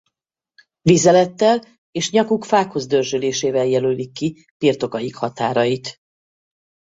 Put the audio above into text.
Vizelettel és nyakuk fákhoz dörzsölésével jelölik ki birtokaik határait.